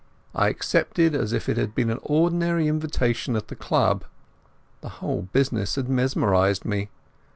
I accepted as if it had been an ordinary invitation at the club. The whole business had mesmerized me.